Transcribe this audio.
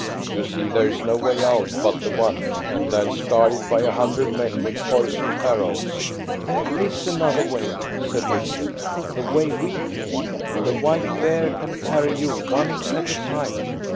"You see there's no way out but the one, and that's guarded by a hundred men with poisoned arrows." "There is another way," said Richard; "the way we came. The white bear can carry you, one at a time."